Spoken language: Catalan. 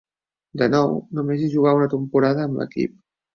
De nou, només hi jugà una temporada amb l'equip.